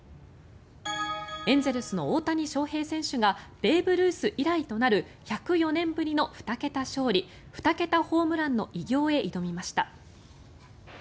エンゼルスの大谷翔平選手がベーブ・ルース以来となる１０４年ぶりの２桁勝利２桁ホームランの偉業へ挑みました。